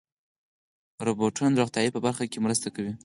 روبوټونه د روغتیا په برخه کې مرسته کوي.